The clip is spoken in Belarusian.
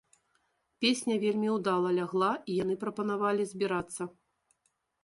Песня вельмі ўдала лягла, і яны прапанавалі збірацца.